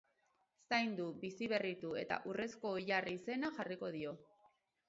Zaindu, biziberritu, eta urrezko oilar izena jarriko dio.